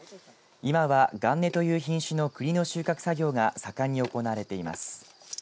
今は岸根という品種のくりの収穫作業が盛んに行われています。